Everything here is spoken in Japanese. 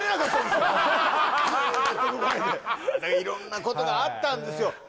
色んなことがあったんですよ